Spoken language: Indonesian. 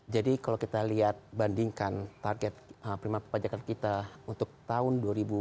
jadi kalau kita lihat bandingkan target penerimaan perpajakan kita untuk tahun dua ribu sembilan belas